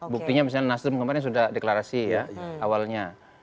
buktinya misalnya nasdem kemarin sudah deklarasi ya awalnya